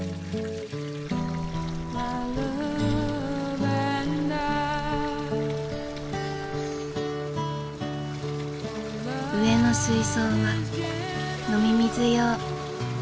上の水槽は飲み水用。